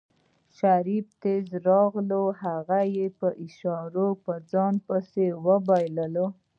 شريف تېز راغی هغه يې په اشارو په ځان پسې وباله.